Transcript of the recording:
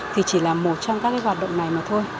thì chỉ là một trong các cái hoạt động này mà thôi